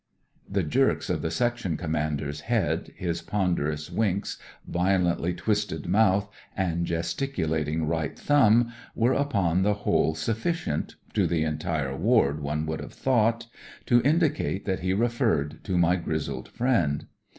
'* The jerks of the section commander's head, his ponderous winks, violently twisted mouth, and gesticulating right thumb were upon the whole sufficient— to the entire ward, one would have thought — ^to indicate that he referred to my grizzled friend.